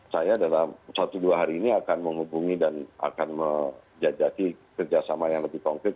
saya dalam satu dua hari ini akan menghubungi dan akan menjajaki kerjasama yang lebih konkret